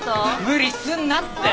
無理すんなって。